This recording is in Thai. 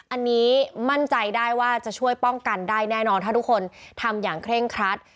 อันนี้มั่นใจได้ว่าจะช่วยป้องกันได้แน่นอนถ้าทุกคนทำอย่างเคร่งครัด